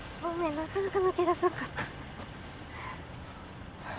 なかなか抜け出せなかったああ